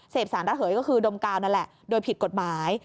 เสพสารเลิศเผยก็คือดมกลาวนั่นแหละโดยผิดกฎหมาย